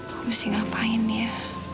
aku mesti ngapain ya